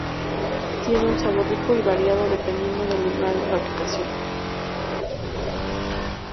Tiene un sabor rico y variado, dependiendo del lugar de fabricación.